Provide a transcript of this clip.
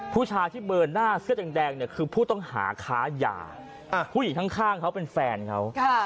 ผู้ชายที่เบอร์หน้าเสื้อแดงเนี่ยคือผู้ต้องหาค้ายาผู้หญิงข้างเขาเป็นแฟนเขา